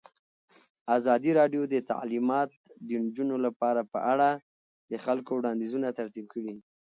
ازادي راډیو د تعلیمات د نجونو لپاره په اړه د خلکو وړاندیزونه ترتیب کړي.